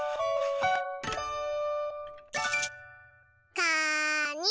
かに！